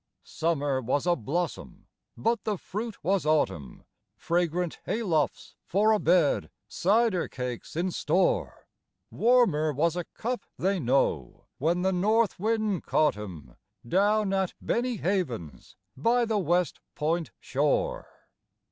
Summer was a blossom, but the fruit was autumn, Fragrant haylofts for a bed, cider cakes in store, Warmer was a cup they know, when the north wind caught 'em Down at Benny Havens' by the West Point shore.